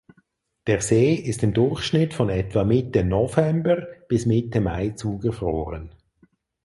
Der See ist im Durchschnitt von etwa Mitte November bis Mitte Mai zugefroren.